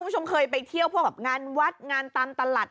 คุณผู้ชมเคยไปเที่ยวพวกแบบงานวัดงานตามตลาด